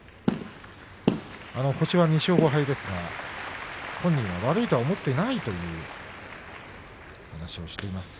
星は２勝５敗ですが本人は悪いとは思っていないという話をしていました。